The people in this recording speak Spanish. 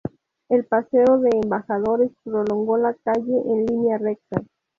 El paseo de Embajadores prolongó la calle en línea recta.